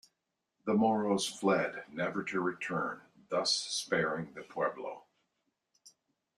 The Moros fled, never to return, thus sparing the pueblo.